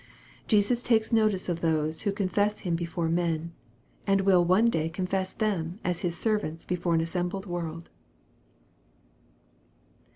JPSUS takes notice of those who confess Him before men, and will one day confess them as His servants before an assembled world.